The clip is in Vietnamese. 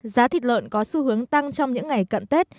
giá thịt lợn có xu hướng tăng trong những ngày cận tết